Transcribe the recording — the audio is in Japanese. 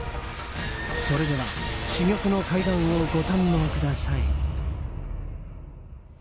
それでは珠玉の怪談をご堪能ください。